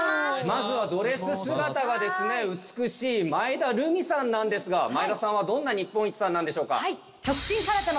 まずはドレス姿が美しい前田瑠美さんなんですが前田さんはどんな日本一さんなんでしょうか？